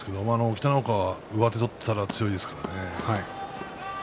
北の若は上手を取ったら強いですからね。